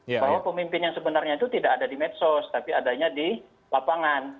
bahwa pemimpin yang sebenarnya itu tidak ada di medsos tapi adanya di lapangan